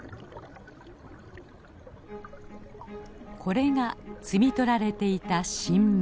これが摘み取られていた新芽。